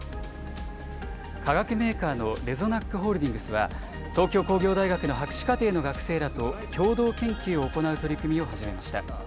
化学メーカーのレゾナック・ホールディングスは、東京工業大学の博士課程の学生らと共同研究を行う取り組みを始めました。